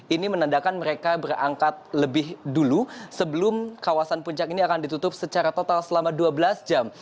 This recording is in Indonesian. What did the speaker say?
ini menandakan mereka berangkat lebih dulu sebelum kawasan puncak ini akan ditutup secara total selama dua belas jam